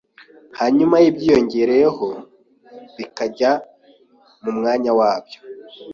hanyuma n’ibyiyongereyeho bikajya mu mwanya wabyo